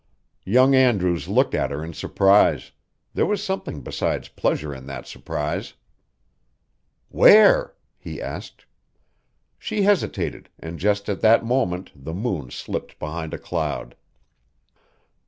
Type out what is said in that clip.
Young Andrews looked at her in surprise; there was something besides pleasure in that surprise. "Where?" he asked. She hesitated, and just at that moment the moon slipped behind a cloud.